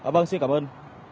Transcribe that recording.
vâng xin cảm ơn